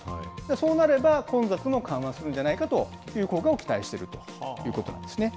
そうなれば、混雑も緩和するんじゃないかという効果を期待しているということなんですね。